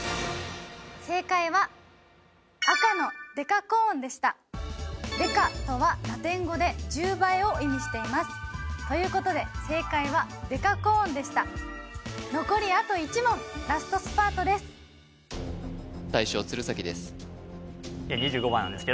正解は赤のデカコーンでしたデカとはラテン語で１０倍を意味していますということで正解はデカコーンでした大将・鶴崎です